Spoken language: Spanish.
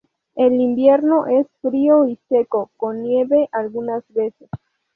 El invierno es frío y seco, con nieve, algunas veces.